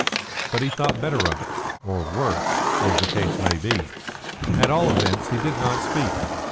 But he thought better of it, or worse, as the case may be. At all events, he did not speak.